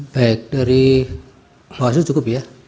baik dari pak basel cukup ya